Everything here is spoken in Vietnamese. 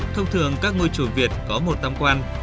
thông thường các ngôi chùa việt có một tam quan